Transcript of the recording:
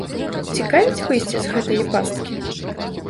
Цікавіць выйсце з гэтае пасткі?